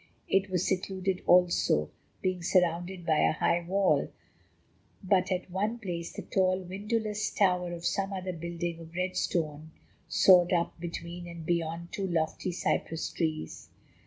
It was secluded also, being surrounded by a high wall, but at one place the tall, windowless tower of some other building of red stone soared up between and beyond two lofty cypress trees.